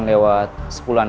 dipersiapkan untuk angkut